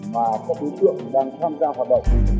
và các đối tượng đang tham gia hoạt động